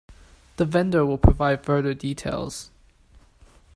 The vendor will provide further details.